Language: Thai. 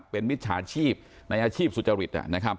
เป็นมิจฉาชีพในอาชีพสุจริต